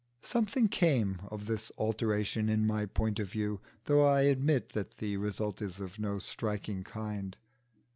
Something came of this alteration in my point of view, though I admit that the result is of no striking kind.